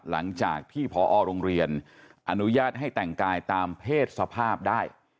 หลังจากที่พอโรงเรียนอนุญาตให้แต่งกายตามเพศสภาพได้